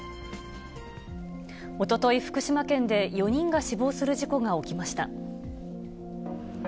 おととい、福島県で４人が死亡する事故が起きました。